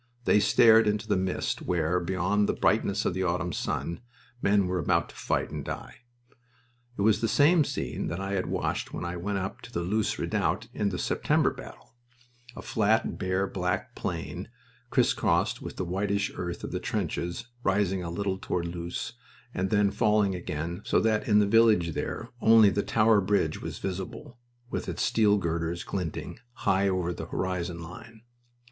They stared into the mist, where, beyond the brightness of the autumn sun, men were about to fight and die. It was the same scene that I had watched when I went up to the Loos redoubt in the September battle a flat, bare, black plain, crisscrossed with the whitish earth of the trenches rising a little toward Loos and then falling again so that in the village there only the Tower Bridge was visible, with its steel girders glinting, high over the horizon line.